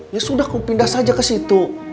ya sudah kau pindah saja ke situ